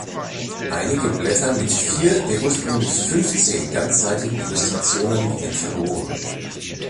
Einige Blätter mit vier der ursprünglich fünfzehn ganzseitigen Illustrationen gingen verloren.